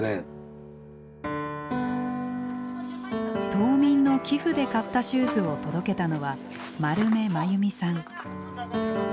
島民の寄付で買ったシューズを届けたのは丸目真由美さん。